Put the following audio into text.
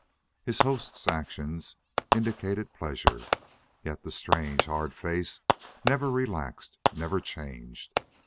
His host's actions indicated pleasure, yet the strange, hard face never relaxed, never changed.